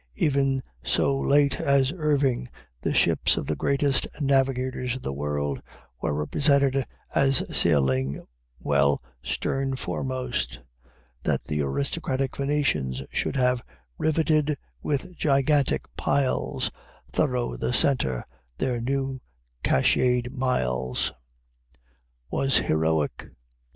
Even so late as Irving the ships of the greatest navigators in the world were represented as sailing equally well stern foremost. That the aristocratic Venetians should have "Riveted with gigantic piles Thorough the center their new catchëd miles," was heroic.